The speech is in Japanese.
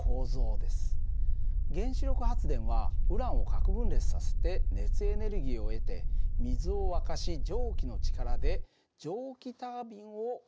原子力発電はウランを核分裂させて熱エネルギーを得て水を沸かし蒸気の力で蒸気タービンを回転させて電気を起こします。